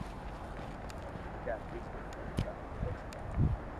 اوري وجہ ھتي ڪي او دھارو ايلائي پيتو